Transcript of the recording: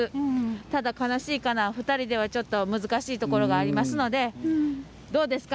ただ悲しいかな２人ではなかなか難しいところがありますのでどうですか？